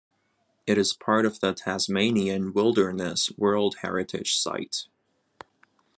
It is part of the Tasmanian Wilderness World Heritage Site.